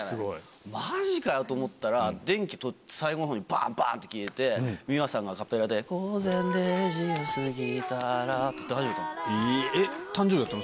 まじかよと思ったら、電気が最後のほうにばんばんって消えて、美和さんがアカペラで午前０時を過ぎたらって、誕生日だったの？